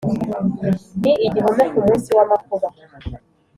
ni igihome ku munsi w’amakuba